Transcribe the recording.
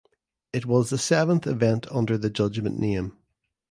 It was the seventh event under the Judgement name.